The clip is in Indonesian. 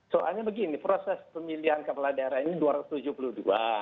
soalnya begini proses pemilihan kepala daerah ini dua ratus tujuh puluh dua